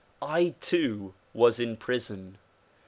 I too was in prison.